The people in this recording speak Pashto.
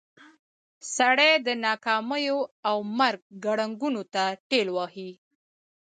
سړی د ناکاميو او مرګ ګړنګونو ته ټېل وهي.